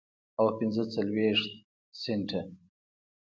او پنځه څلوېښت سنټه